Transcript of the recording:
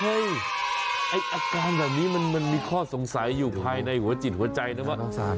ไอ้อาการแบบนี้มันมีข้อสงสัยอยู่ภายในหัวจิตหัวใจนะว่า